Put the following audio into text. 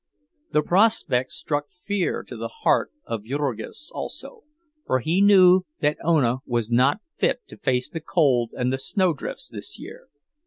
The prospect struck fear to the heart of Jurgis also, for he knew that Ona was not fit to face the cold and the snowdrifts this year.